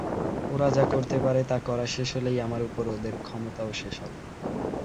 ওরা যা করতে পারে তা করা শেষ হলেই আমার উপর ওদের ক্ষমতাও শেষ হবে।